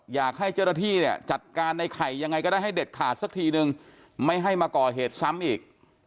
อยากให้เจ้าหน้าที่เนี่ยจัดการในไข่ยังไงก็ได้ให้เด็ดขาดสักทีนึงไม่ให้มาก่อเหตุซ้ำอีก